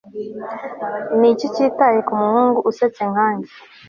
Niki cyitaye kumuhungu usetsa nkanjye